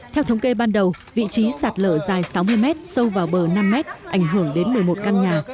theo thống kê ban đầu vị trí sạt lở dài sáu mươi m sâu vào bờ năm mét ảnh hưởng đến một mươi một căn nhà